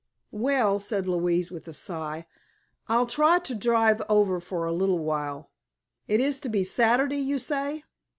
"Well," said Louise, with a sigh, "I'll try to drive over for a little while. It is to be Saturday, you say?"